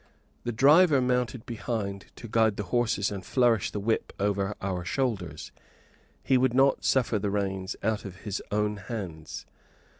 The driver mounted behind to guide the horses and flourish the whip over our shoulders; he would not suffer the reins out of his own hands.